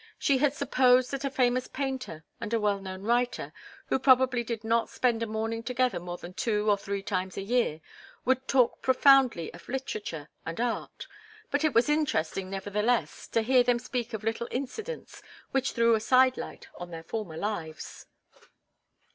She had supposed that a famous painter and a well known writer, who probably did not spend a morning together more than two or three times a year, would talk profoundly of literature and art. But it was interesting, nevertheless, to hear them speak of little incidents which threw a side light on their former lives.